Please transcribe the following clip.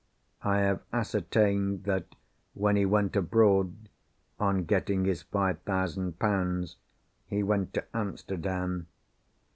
I have ascertained that when he went abroad, on getting his five thousand pounds, he went to Amsterdam.